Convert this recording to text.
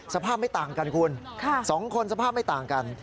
สภาพไม่ต่างกันคุณ๒คนสภาพไม่ต่างกัน